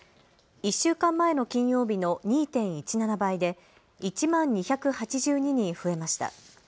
１週間前の金曜日の２．１７倍で１万２８２人増えました。